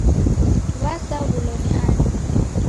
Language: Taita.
W'asaghulo ni ani?